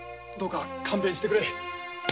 どうか勘弁してくれ。